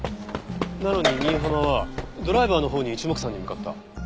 なのに新浜はドライバーのほうに一目散に向かった。